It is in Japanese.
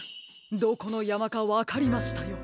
どこのやまかわかりましたよ。